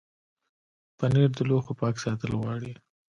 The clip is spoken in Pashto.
پنېر د لوښو پاک ساتل غواړي.